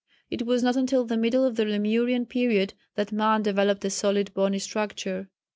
It was not until the middle of the Lemurian period that man developed a solid bony structure.